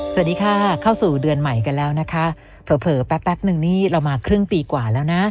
สวัสดีค่ะเข้าสู่เดือนใหม่กันแล้วนะคะเผลอแป๊บนึงนี่เรามาครึ่งปีกว่าแล้วนะ